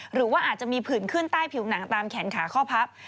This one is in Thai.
หรือว่าอาจจะมีผื่นขึ้นใต้ผิวหนังตามแขนขาข้อพับ